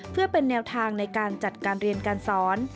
เพื่อเป็นแนวทางในการจัดการเรียนการสอน